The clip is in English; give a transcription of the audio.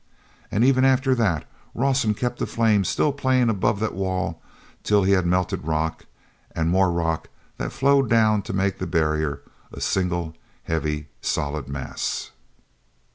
And even after that Rawson kept the flame still playing above that wall till he had melted rock and more rock that flowed down to make the barrier a single heavy, solid mass.